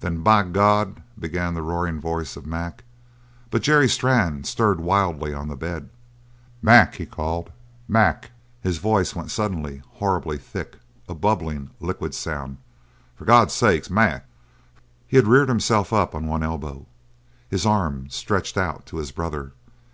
"Then, by God " began the roaring voice of Mac, but Jerry Strann stirred wildly on the bed. "Mac!" he called, "Mac!" His voice went suddenly horribly thick, a bubbling, liquid sound. "For God's sake, Mac!" He had reared himself up on one elbow, his arm stretched out to his brother.